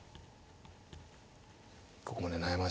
ここもね悩ましい。